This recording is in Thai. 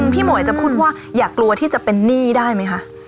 หมวยจะพูดว่าอย่ากลัวที่จะเป็นหนี้ได้ไหมคะ